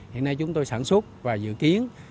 hiện nay chúng tôi sản xuất và dự kiến